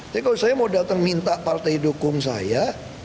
tapi kalau saya mau datang minta partai dukung saya